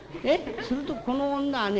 するとこの女はね